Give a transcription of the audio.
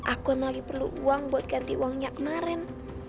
aku emang lagi perlu uang buat ganti uangnya kemarin